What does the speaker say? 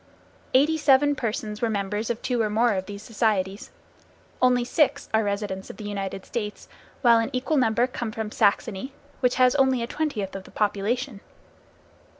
Eighty seven persons were members of two or more of these societies. Only six are residents of the United States, while an equal number come from Saxony, which has only a twentieth of the population.